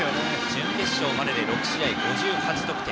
準決勝までで６試合５８得点。